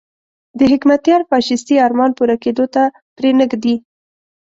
د حکمتیار فاشیستي ارمان پوره کېدو ته پرې نه ږدي.